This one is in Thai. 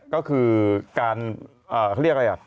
ก็คือการเขาเรียกอะไรอ่ะ